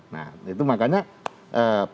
nah itu makanya betul banget